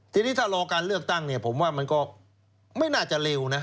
ทีนี้ถ้ารอการเลือกตั้งเนี่ยผมว่ามันก็ไม่น่าจะเร็วนะ